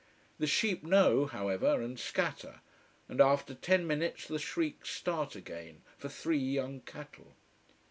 The sheep know, however, and scatter. And after ten minutes the shrieks start again, for three young cattle.